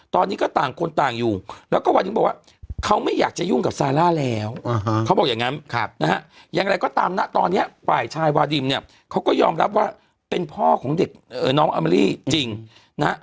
ตอนนี้ก็ต่างคนต่างอยู่แล้วก็วันนี้บอกว่าเขาไม่อยากจะยุ่งกับซาร่าแล้วเขาบอกอย่างนั้นนะฮะอย่างไรก็ตามนะตอนนี้ฝ่ายชายวาดิมเนี่ยเขาก็ยอมรับว่าเป็นพ่อของเด็กน้องอามอรี่จริงนะฮะ